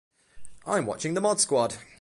I'm watching "The Mod Squad".